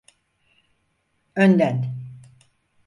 Önden…